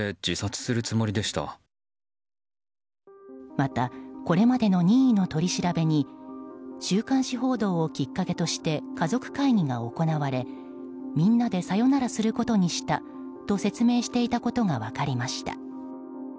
また、これまでの任意の取り調べに週刊誌報道をきっかけとして家族会議が行われみんなでさよならすることにしたと説明していたことが分かりました。